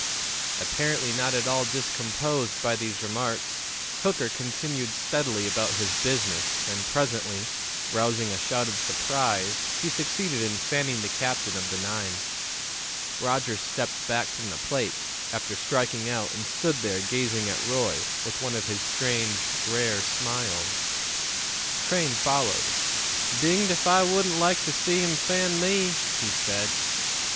Apparently not at all discomposed by these remarks, Hooker continued steadily about his business, and presently, rousing a shout of surprise, he succeeded in fanning the captain of the nine. Roger stepped back from the plate, after striking out, and stood there gazing at Roy, with one of his strange, rare smiles. Crane followed. "Dinged if I wouldn't like ter see him fan me!" he said.